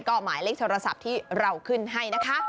ก็หมายเลขโทรศัพท์ที่เราขึ้นให้นะคะ